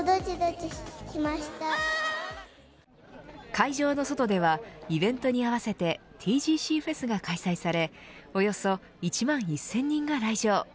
会場の外ではイベントに合わせてＴＧＣＦＥＳが開催されおよそ１万１０００人が来場。